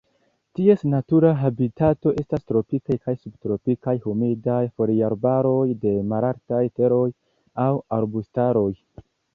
Ties natura habitato estas tropikaj kaj subtropikaj humidaj foliarbaroj de malaltaj teroj aŭ arbustaroj.